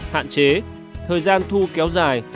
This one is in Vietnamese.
hạn chế thời gian thu kéo dài